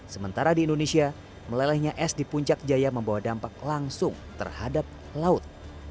sementara di indonesia melelehnya es di puncak jaya membawa dampak langsung terhadap laut